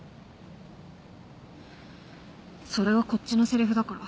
それはこっちのせりふだから。